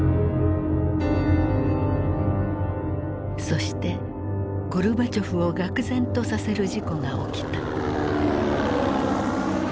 そしてゴルバチョフをがく然とさせる事故が起きた。